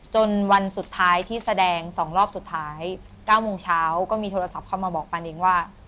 วันสุดท้ายที่แสดง๒รอบสุดท้าย๙โมงเช้าก็มีโทรศัพท์เข้ามาบอกปานิ้งว่า